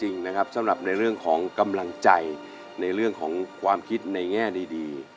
จริงนะครับสำหรับในเรื่องของกำลังใจในเรื่องของความคิดในแง่ดี